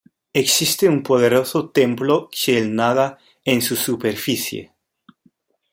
Existe un poderoso templo Xel'Naga en su superficie.